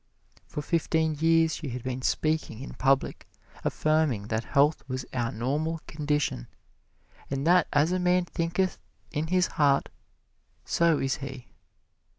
For fifteen years she had been speaking in public, affirming that health was our normal condition and that as a man thinketh in his heart, so is he.